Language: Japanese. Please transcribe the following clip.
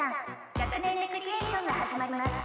学年レクリエーションが始まります。